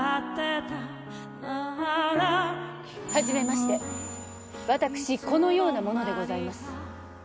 初めまして私このような者でございます